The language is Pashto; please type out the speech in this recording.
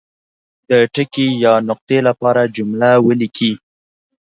د ټکي یا نقطې لپاره جمله ولیکي.